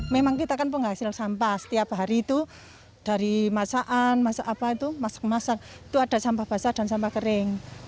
memang kita kan penghasil sampah setiap hari itu dari masakan masak masak itu ada sampah basah dan sampah kering